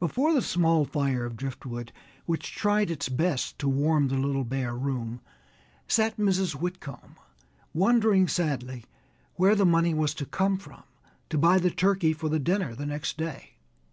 Before the small fire of driftwood, which tried its best to warm the little bare room, sat Mrs. Whitcomb, wondering sadly where the money was to come from to buy the turkey for the dinner the next day.